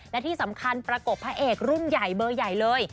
และที่สำคัญประกบพระเอกรุ่นใหญ่เบอร์ใหญ่เลย